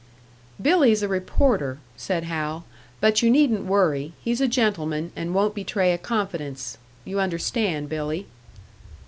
"Billy's a reporter," said Hal. "But you needn't worry he's a gentleman, and won't betray a confidence. You understand, Billy."